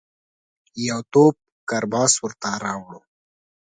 یو توپ کرباس ورته راووړ.